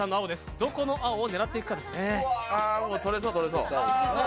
どこの青を狙っていくかですね。